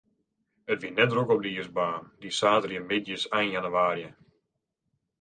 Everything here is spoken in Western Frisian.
It wie net drok op de iisbaan, dy saterdeitemiddeis ein jannewaarje.